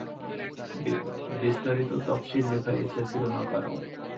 বিস্তারিত তাফসির লিখার ইচ্ছা ছিল না কারো।